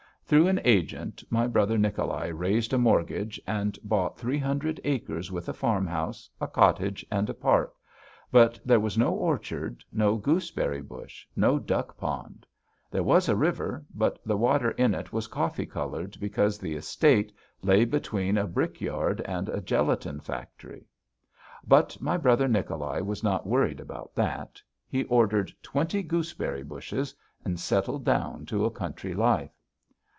Through an agent my brother Nicholai raised a mortgage and bought three hundred acres with a farmhouse, a cottage, and a park, but there was no orchard, no gooseberry bush, no duck pond; there was a river but the water in it was coffee coloured because the estate lay between a brick yard and a gelatine factory. But my brother Nicholai was not worried about that; he ordered twenty gooseberry bushes and settled down to a country life.